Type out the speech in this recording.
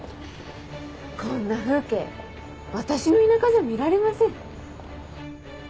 こんな風景私の田舎じゃ見られません。